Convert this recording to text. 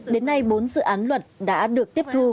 đến nay bốn dự án luật đã được tiếp thu